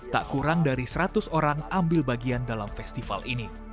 tak kurang dari seratus orang ambil bagian dalam festival ini